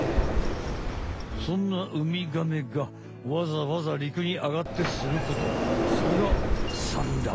そんなウミガメがわざわざ陸にあがってすることそれが産卵。